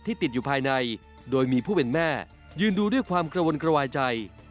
ติดอยู่ภายในโดยมีผู้เป็นแม่ยืนดูด้วยความกระวนกระวายใจ